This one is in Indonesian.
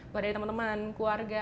berada di teman teman keluarga